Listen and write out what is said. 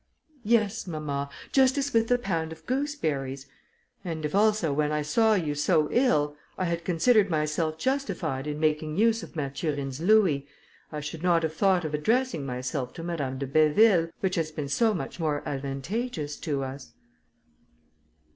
"Yes, mamma, just as with the pound of gooseberries. And if, also, when I saw you so ill, I had considered myself justified in making use of Mathurine's louis, I should not have thought of addressing myself to Madame de Béville, which has been so much more advantageous to us."